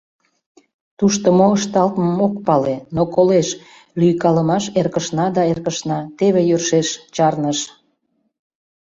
Тушто мо ышталтмым ок пале, но колеш: лӱйкалымаш эркышна да эркышна, теве йӧршеш чарныш.